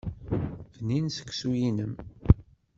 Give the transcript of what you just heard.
Bnin seksu-inem.